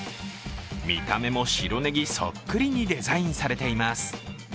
見た目も白ねぎそっくりにデザインされています。